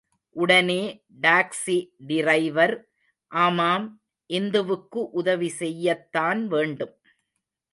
உடனே taxi driver, ஆமாம், இந்துவுக்கு உதவி செய்யத்தான் வேண்டும்.